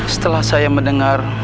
setelah saya mendengar